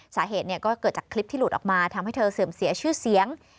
สาเหตุก็เกิดจากคลิปที่หลุดออกมาทำให้เธอเสื่อมเสียชื่อเสียง